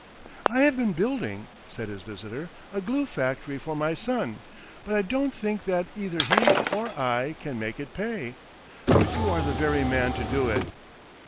"I have been building," said his visitor, "a glue factory for my son; but I don't think that either he or I can make it pay. But you are the very man to do it."